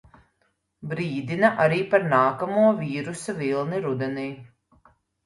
Brīdina arī par nākamo vīrusa vilni rudenī.